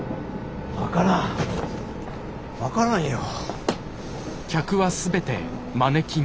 分からん分からんよ。